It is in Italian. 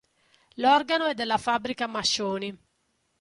L'organo è della fabbrica Mascioni.